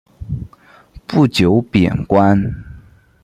不久贬官。